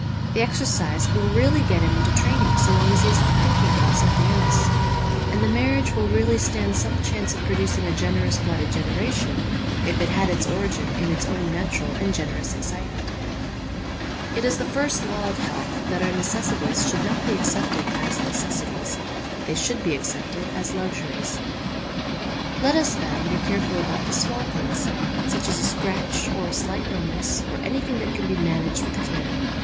The exercise will really get him into train ing so long as he is thinking about something else. And the marriage will really stand some chance of producing a generous blooded generation if it had its origin in its own natural and generous excitement. It is the first law of health that our necessities should not be accepted as necessities ; they should be accepted as luxuries. Let us, then, be careful about the small things, such as a scratch or a slight illness, or anything that can be managed with care.